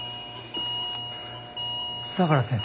相良先生。